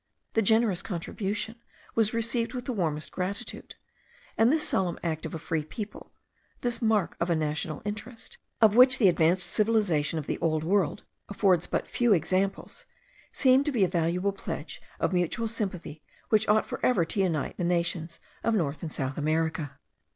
The generous contribution was received with the warmest gratitude; and this solemn act of a free people, this mark of national interest, of which the advanced civilization of the Old World affords but few examples, seemed to be a valuable pledge of the mutual sympathy which ought for ever to unite the nations of North and South America.